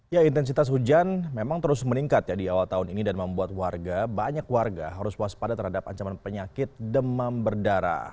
ya intensitas hujan memang terus meningkat ya di awal tahun ini dan membuat warga banyak warga harus waspada terhadap ancaman penyakit demam berdarah